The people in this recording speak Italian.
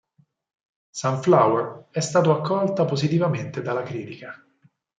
Sunflower è stato accolta positivamente dalla critica.